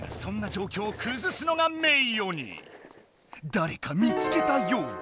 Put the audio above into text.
だれか見つけたようだ。